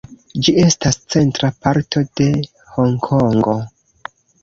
Ĝi estas centra parto de Honkongo.